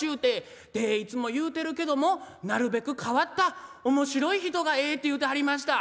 でいつも言うてるけどもなるべく変わった面白い人がええって言うてはりました」。